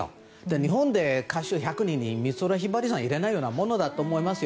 日本で歌手１００人に美空ひばりさんを入れないようなものだと思いますよ